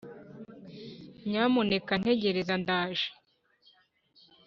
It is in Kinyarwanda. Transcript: nyamuneka ntegereza ndaje